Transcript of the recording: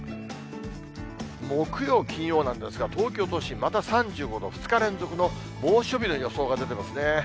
木曜、金曜なんですが、東京都心、また３５度、２日連続の猛暑日の予想が出てますね。